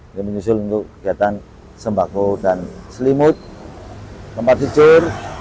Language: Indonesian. ini menyusul untuk kegiatan sembako dan selimut tempat tidur